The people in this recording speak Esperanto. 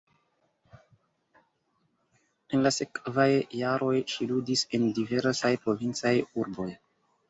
En la sekvaj jaroj ŝi ludis en diversaj provincaj urboj.